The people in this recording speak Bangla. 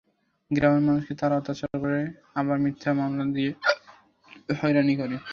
গ্রামের মানুষকে তারা অত্যাচার করে, আবার মিথ্যা মামলা দিয়ে হয়রানি করে।